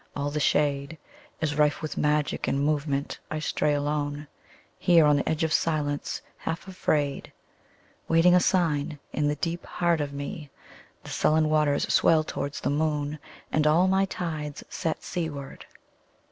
All the shadeIs rife with magic and movement. I stray aloneHere on the edge of silence, half afraid, Waiting a sign. In the deep heart of meThe sullen waters swell towards the moon, And all my tides set seaward.